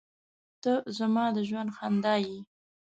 • ته زما د ژوند خندا یې.